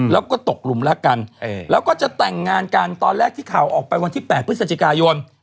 แล้วก็ตกหลุมรักกันแล้วก็จะแต่งงานกันตอนแรกที่ข่าวออกไปวันที่๘พฤศจิกายน